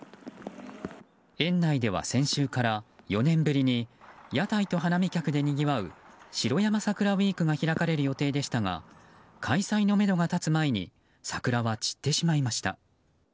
園内では先週から４年ぶりに屋台と花見客でにぎわう城山桜ウィークが開かれる予定でしたが開催のめどが立つ前に桜は散ってしまいました。